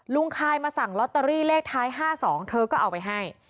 คายมาสั่งลอตเตอรี่เลขท้าย๕๒เธอก็เอาไปให้